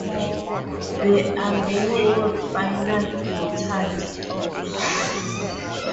There are many word-final glottal stops.